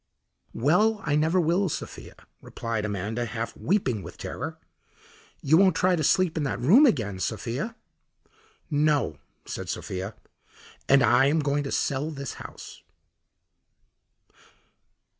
"Well, I never will, Sophia," replied Amanda, half weeping with terror. "You won't try to sleep in that room again, Sophia?" "No," said Sophia; "and I am going to sell this house."